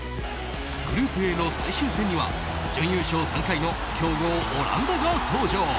グループＡの最終戦には準優勝３回の強豪オランダが登場。